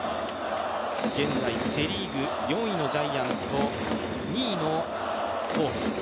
現在、セ・リーグ４位のジャイアンツと２位のホークス。